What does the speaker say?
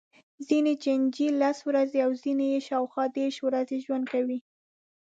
ځینې چینجي لس ورځې او ځینې یې شاوخوا دېرش ورځې ژوند کوي.